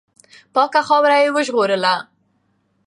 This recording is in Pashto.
پاکه خاوره یې ژغورله.